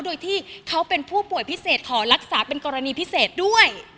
โดยที่เขาเป็นผู้ป่วยพิเศษขอรักษาเป็นกรณีพิเศษด้วย